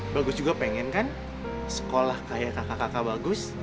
bagus juga pengen kan sekolah kayak kakak kakak bagus